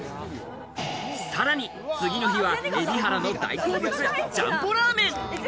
さらに次の日は海老原の大好物、ジャンボラーメン。